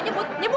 nggak usah ngebut